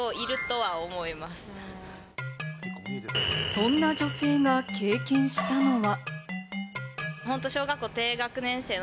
そんな女性が経験したのは。